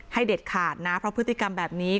เด็ดขาดนะเพราะพฤติกรรมแบบนี้